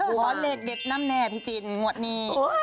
หัวเล็กเด็ดนั้นแน่พี่จินหมวดนี้